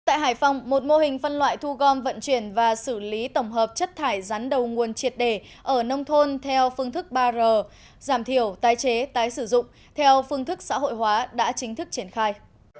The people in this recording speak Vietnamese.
tại hải phòng một mô hình phân loại thu gom vận chuyển và xử lý tổng hợp chất thải rắn đầu nguồn triệt đề ở nông thôn theo phương thức ba r giảm thiểu tái chế tái sử dụng theo phương thức xã hội hóa đã chính thức triển khai